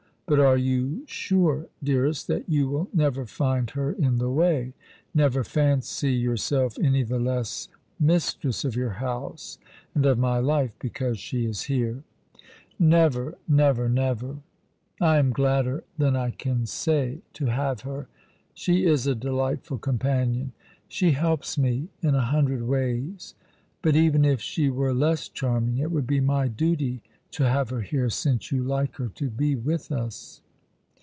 But are you sure, dearest, that you will never find her in the way, never fancy yourself any the less mistress of your house, and of my life, because she is here ?"" Never, never, never ! I am gladder than I can say to have her. She is a delightful companion. She helps mo in a hundred ways. Bat even if she were less charming it would be my duty to have her here since you like her to be with us."